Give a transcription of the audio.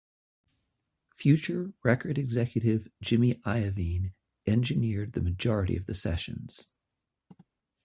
Future record executive Jimmy Iovine engineered the majority of the sessions.